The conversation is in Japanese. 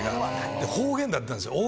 方言だったんです。